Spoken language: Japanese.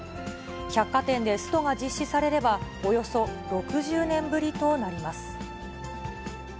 百貨店でストが実施されれば、およそ６０年ぶりとなります。